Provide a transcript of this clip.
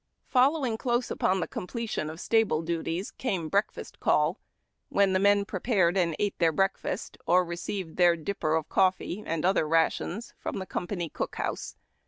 Following close upon the completion of stable duties came Breakfast Call, when the men prepared and ate their breakfast, or received their dipper of coffee and other rations from the company cook house.